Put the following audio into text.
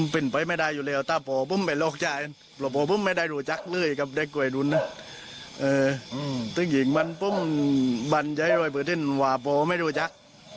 ผมบ่านจะให้โรยตื่นว่าพ่อไม่รู้จัก